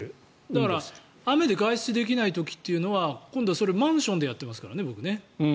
だから雨で外出できない時というのは今度マンションでやってますからね。